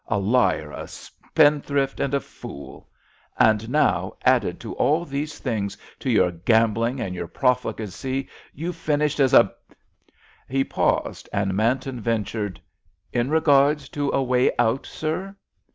A liar, a spendthrift, and a fool—and now, added to all these things, to your gambling and your profligacy, you've finished as a——" He paused, and Manton ventured: "In regard to a way out, sir?"